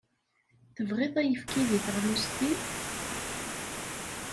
Tebɣiḍ ayefki deg teɣlust-im?